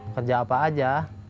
kerja apa aja